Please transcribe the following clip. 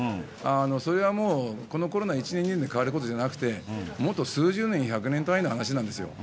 それはもうこのコロナ１年、２年で変わることじゃなくて、もっと数十年、百年単位で同じことなんですよ